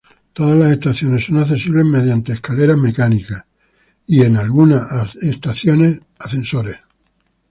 Todas las estaciones son accesibles mediante escaleras, mecánicas en algunas estaciones, y ascensores.